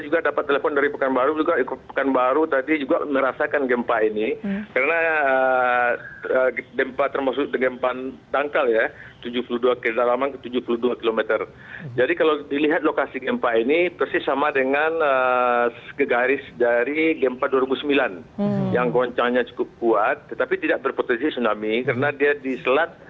gempanya cukup kuat tetapi tidak berpotensi tsunami karena dia diselat